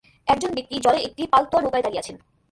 একজন ব্যক্তি জলে একটি পালতোলা নৌকায় দাঁড়িয়ে আছেন।